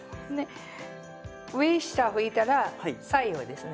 上下拭いたら左右をですね